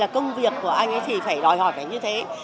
công việc của anh thì phải đòi hỏi phải như thế